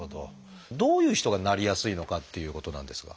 どういう人がなりやすいのかっていうことなんですが。